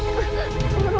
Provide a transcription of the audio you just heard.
tapi apa yang kamu lakukan